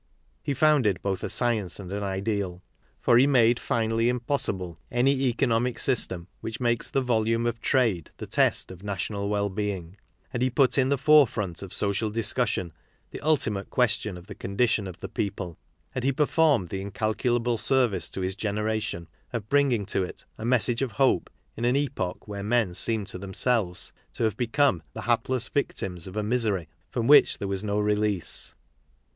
He founded both a science and an ideal. For he made finally impossible KARL MARX 45 any economic system which makes the volume of trade the test of national well being; and he put in the fore front of social discussion the ultimate question of the condition of the people. And he performed the incal culable service to his generation of bringing to it a message of hope in an epoch where men seemed to them selves to have become the hapless victims of a misery from which there was no release.